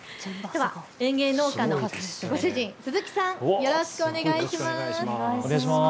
園芸農家のご主人、鈴木さん、よろしくお願いします。